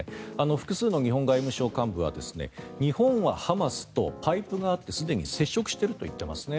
複数の日本外務省幹部は日本はハマスとパイプがあってすでに接触していると言っていますね。